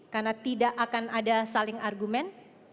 karena tidak akan ada saling argumen